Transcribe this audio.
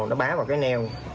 nó bá vào cái neo